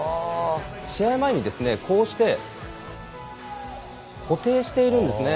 試合前にこうして固定しているんですね。